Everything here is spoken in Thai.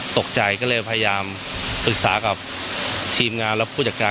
ตกใจก็เลยพยายามปรึกษากับทีมงานและผู้จัดการ